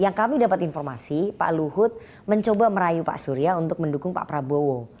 yang kami dapat informasi pak luhut mencoba merayu pak surya untuk mendukung pak prabowo